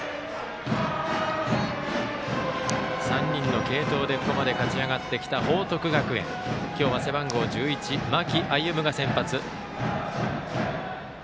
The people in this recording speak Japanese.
３人の継投でここまで勝ち上がってきた報徳学園、今日は背番号１１、間木歩が先発。